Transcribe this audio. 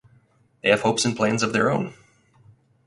They have hopes and plans of their own.